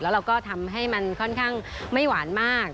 แล้วเราก็ทำให้มันค่อนข้างไม่หวานมาก